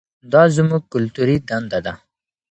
دا زموږ کلتوري دنده ده.